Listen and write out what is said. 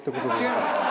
違います。